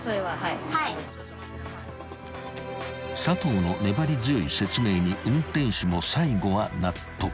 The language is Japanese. ［佐藤の粘り強い説明に運転手も最後は納得］